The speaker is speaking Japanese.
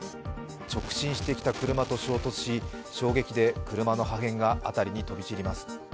直進してきた車と衝突し、衝撃で車の破片が辺りに飛び散ります。